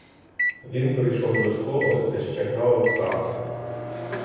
Він прийшов до школи, де ще грали в карти.